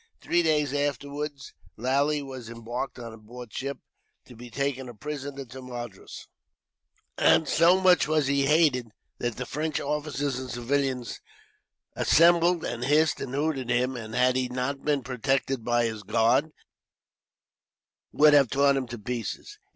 Three days afterwards Lally was embarked on board ship, to be taken a prisoner to Madras; and so much was he hated that the French officers and civilians assembled, and hissed and hooted him; and, had he not been protected by his guard, would have torn him to pieces.